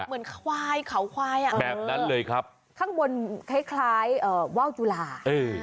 เหมือนควายเขาควายอ่ะแบบนั้นเลยครับข้างบนคล้ายคล้ายเอ่อว่าวจุฬาเออ